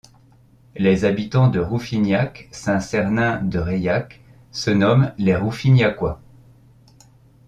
Les habitants de Rouffignac-Saint-Cernin-de-Reilhac se nomment les Rouffignacois.